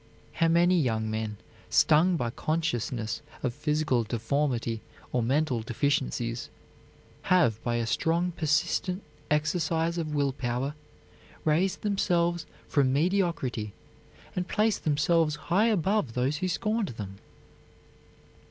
How many young men, stung by consciousness of physical deformity or mental deficiencies, have, by a strong, persistent exercise of will power, raised themselves from mediocrity and placed themselves high above those who scorned them!